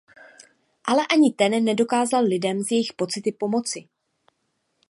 Ale ani ten nedokázal lidem s jejich pocity pomoci.